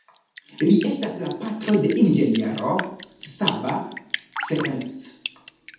Li estas la patro de inĝeniero Csaba Ferencz.